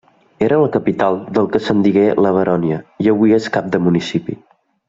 Era la capital del que se'n digué la Baronia, i avui és cap de municipi.